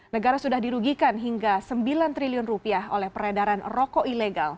negara sudah dirugikan hingga sembilan triliun rupiah oleh peredaran rokok ilegal